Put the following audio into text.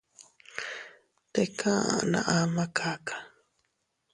Tika aʼa naa ama kaka.